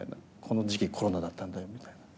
この時期コロナだったんだよみたいな。